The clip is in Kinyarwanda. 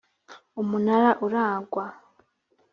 umunara uragwa